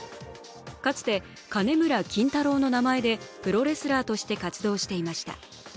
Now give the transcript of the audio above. かつて金村キンタローの名前でプロレスラーとして活動していました。